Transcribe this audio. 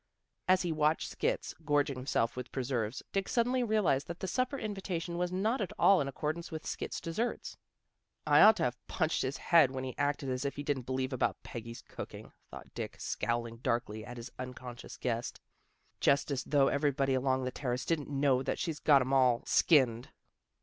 As he watched Skits, gorging himself with preserves, Dick suddenly realized that the supper invi tation was not at all in accordance with Skits' deserts. " I'd ought to have punched his head when he acted as if he didn't believe about Peggy's cooking," thought Dick, scowling A DISAGREEMENT 231 darkly at his unconscious guest. " Just as though everybody along the Terrace didn't know that she's got 'em all skinned."